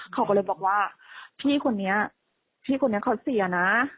เขาก็เลยบอกว่าพี่คนนี้พี่คนนี้เขาเสียนะ